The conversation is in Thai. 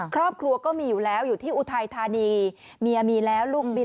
ครอบครัวก็มีอยู่แล้วอยู่ที่อุทัยธานีเมียมีแล้วลูกบิน